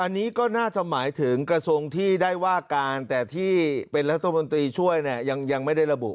อันนี้ก็น่าจะหมายถึงกระทรวงที่ได้ว่าการแต่ที่เป็นรัฐมนตรีช่วยเนี่ยยังไม่ได้ระบุ